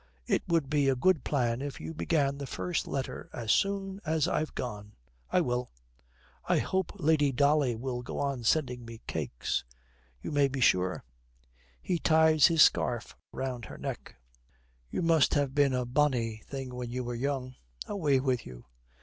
'It would be a good plan if you began the first letter as soon as I've gone.' 'I will.' 'I hope Lady Dolly will go on sending me cakes.' 'You may be sure.' He ties his scarf round her neck. 'You must have been a bonny thing when you were young.' 'Away with you!'